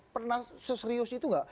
pernah seserius itu gak